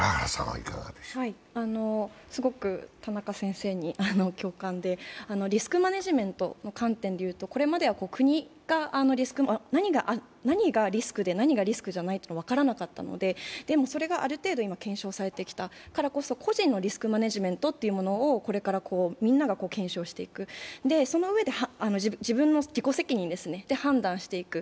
すごく田中先生に共感でリスクマネジメントの観点で言うとこれまでは何がリスクで何がリスクじゃないと分からなかったので、でもそれがある程度検証されてきたからこそ個人のリスクマネジメントというものをこれからみんなが検証していく、そのうえで自分の自己責任で判断していく。